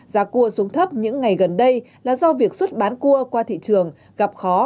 giá cua xuống thấp những ngày gần đây là do việc xuất bán cua qua thị trường gặp khó